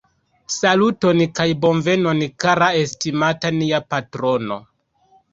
Saluton kaj bonvenon kara estimata, nia patrono